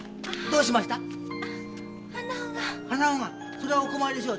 それはお困りでしょう。